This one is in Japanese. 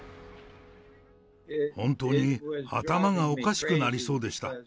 本当に頭がおかしくなりそうでした。